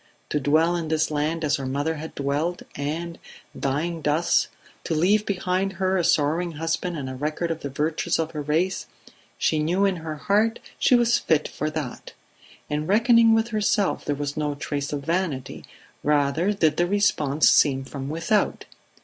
To dwell in this land as her mother had dwelt, and, dying thus, to leave behind her a sorrowing husband and a record of the virtues of her race, she knew in her heart she was fit for that. In reckoning with herself there was no trace of vanity; rather did the response seem from without.